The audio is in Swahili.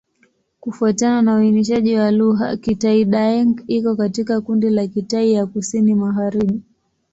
Kufuatana na uainishaji wa lugha, Kitai-Daeng iko katika kundi la Kitai ya Kusini-Magharibi.